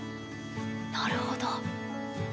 なるほど。